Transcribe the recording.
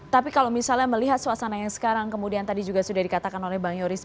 tapi kalau misalnya melihat suasana yang sekarang kemudian tadi juga sudah dikatakan oleh bang yoris